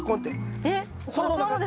えっ。